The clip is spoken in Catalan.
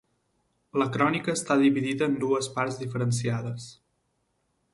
La crònica està dividida en dues parts diferenciades.